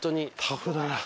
タフだな。